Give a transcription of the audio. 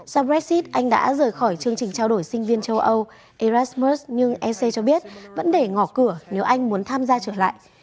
sau brexit anh đã rời khỏi chương trình trao đổi sinh viên châu âu erasmus nhưng ec cho biết vẫn để ngỏ cửa nếu anh muốn tham gia trở lại